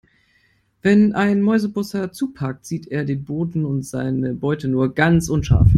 Wenn ein Mäusebussard zupackt, sieht er den Boden und seine Beute nur ganz unscharf.